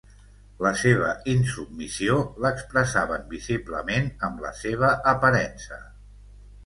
La seva insubmissió l'expressaven visiblement amb la seva aparença.